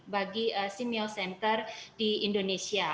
bagi simeo center di indonesia